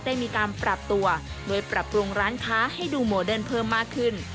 ได้มีการปรับตัวโดยปรับปรุงร้านค้าให้ดูโมเดิร์นเพิ่มมากขึ้น